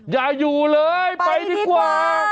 อย่าอยู่เลยไปดีกว่าไปดีกว่า